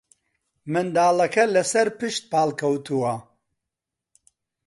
منداڵەکە لەسەرپشت پاڵکەوتووە